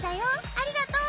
ありがとう！」。